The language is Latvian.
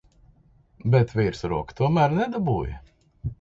Bet virsroku tomēr nedabūji.